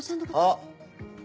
あっ！